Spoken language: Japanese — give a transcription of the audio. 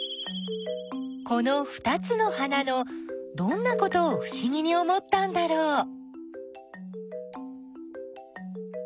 このふたつの花のどんなことをふしぎに思ったんだろう？